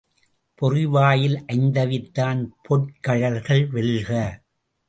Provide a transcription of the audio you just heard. பொறிவாயில் ஐந்தவித்தான் பொற்கழல்கள் வெல்க!